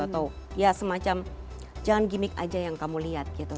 atau ya semacam jangan gimmick aja yang kamu lihat gitu